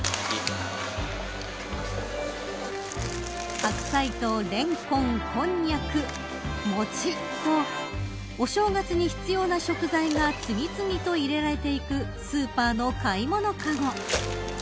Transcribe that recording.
白菜とレンコンコンニャク、餅とお正月に必要な食材が次々と入れられていくスーパーの買い物かご。